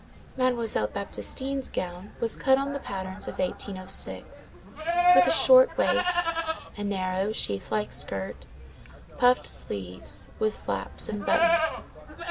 Mademoiselle Baptistine's gown was cut on the patterns of 1806, with a short waist, a narrow, sheath like skirt, puffed sleeves, with flaps and buttons.